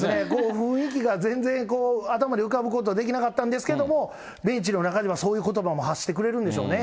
雰囲気が全然頭に浮かぶことができなかったんですけれども、ベンチの中ではそういうことばも発してくれるんですね。